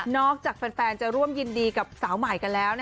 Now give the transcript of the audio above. จากแฟนจะร่วมยินดีกับสาวใหม่กันแล้ว